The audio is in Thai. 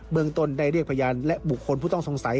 เมืองต้นได้เรียกพยานและบุคคลผู้ต้องสงสัย